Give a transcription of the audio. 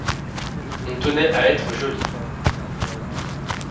On tenait à être joli.